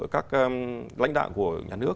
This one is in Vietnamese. các lãnh đạo của nhà nước